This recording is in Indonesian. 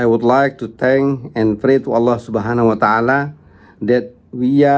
untuk mendukung bisnis semua orang